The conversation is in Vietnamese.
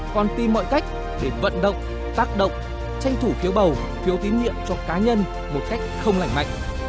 còn tìm mọi cách để vận động tác động tranh thủ phiếu bầu phiếu tín nhiệm cho cá nhân một cách không lành mạnh